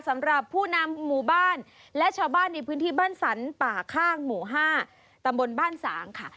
สำหรับผู้นำหมู่บ้านและชาวบ้านในพื้นที่บ้านสรรป่าข้างหมู่๕ตำบลบ้านสางค่ะ